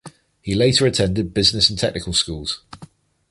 He later attended business and technical schools.